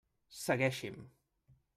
Segueixi'm.